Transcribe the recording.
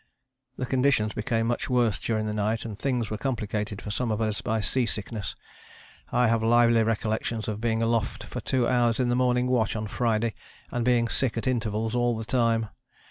" The conditions became much worse during the night and things were complicated for some of us by sea sickness. I have lively recollections of being aloft for two hours in the morning watch on Friday and being sick at intervals all the time.